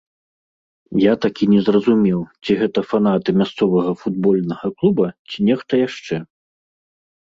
Я так і не зразумеў, ці гэта фанаты мясцовага футбольнага клуба, ці нехта яшчэ.